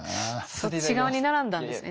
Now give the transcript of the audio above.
そっち側に並んだんですね